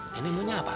nenek mau nyapa